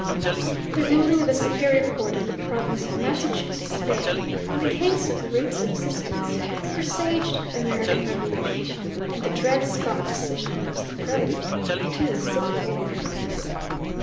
The ruling of the Superior Court of the Province of Massachusetts Bay, in the case of the Writs of Assistance, presaged the American Revolution; and the Dred Scott decision was the prelude to the Civil War.